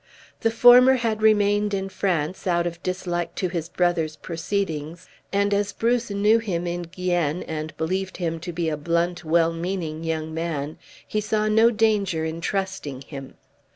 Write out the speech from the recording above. The former had remained in France, out of dislike to his brother's proceedings, and as Bruce knew him in Guienne, and believed him to be a blunt, well meaning young man, he saw no danger in trusting him.